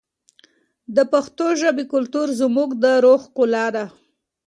د پښتو ژبې کلتور زموږ د روح ښکلا ده.